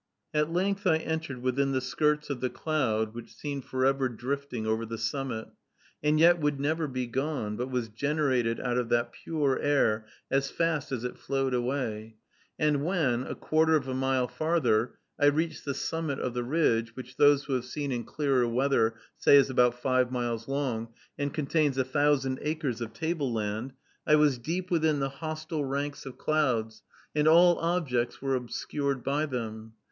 At length I entered within the skirts of the cloud which seemed forever drifting over the summit, and yet would never be gone, but was generated out of that pure air as fast as it flowed away; and when, a quarter of a mile farther, I reached the summit of the ridge, which those who have seen in clearer weather say is about five miles long, and contains a thousand acres of table land, I was deep within the hostile ranks of clouds, and all objects were obscured by them.